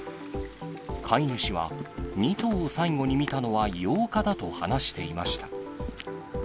飼い主は、２頭を最後に見たのは８日だと話していました。